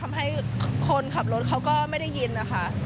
ทำให้คนขับรถเขาก็ไม่ได้ยินนะคะ